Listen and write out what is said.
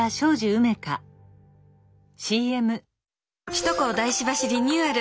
首都高大師橋リニューアル。